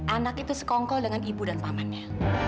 anak itu sekongkol dengan ibu dan pamannya